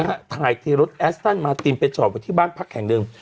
นะคะถ่ายทีรถแอสต้านมาติมเป็นจอดมาที่บ้านพักแห่งเดิม